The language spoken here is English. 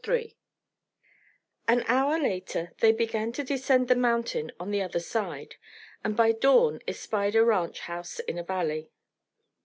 III An hour later they began to descend the mountain on the other side, and by dawn espied a ranch house in a valley.